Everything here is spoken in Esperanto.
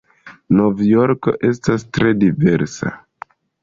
Novjorko estas tre diversa.